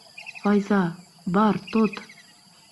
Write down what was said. Файза, бар, тот!